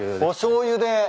おしょうゆで。